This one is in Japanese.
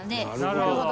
なるほど。